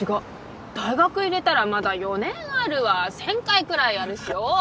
大学入れたらまだ４年あるわ１０００回くらいあるし多い！